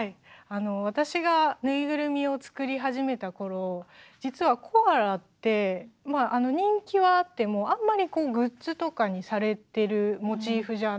私がぬいぐるみを作り始めた頃実はコアラって人気はあってもあんまりグッズとかにされてるモチーフじゃなかったんですよ。